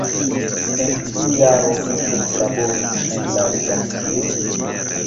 En kiu jaro vi eklaboris en la redakcio?